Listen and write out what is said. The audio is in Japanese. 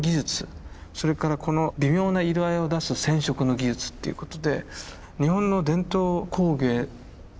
それからこの微妙な色合いを出す染色の技術っていうことで。